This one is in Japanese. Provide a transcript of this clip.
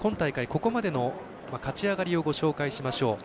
ここまでの勝ち上がりをご紹介しましょう。